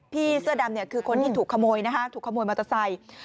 พี่เสื้อดำคือคนที่ถูกขโมยถูกขโมยมอเตอร์ไซค์